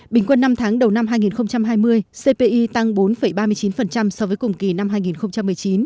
bình quân năm tháng đầu năm hai nghìn hai mươi cpi tăng bốn ba mươi chín so với cùng kỳ năm hai nghìn một mươi chín